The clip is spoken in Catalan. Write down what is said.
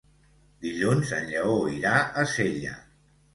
Dilluns en Lleó irà a Sella.